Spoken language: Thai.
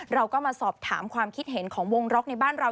เราก็มาสอบถามความคิดเห็นของวงล็อกในบ้านเรา